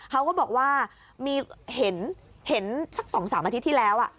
เขาก็บอกว่ามีเห็นสัก๒๓อาทิตย์ที่แล้ว